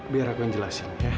biar aku yang jelasin